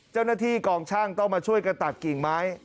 เจ้าหน้าที่กองช่างต้องมาช่วยกันตัดกิ่งไม้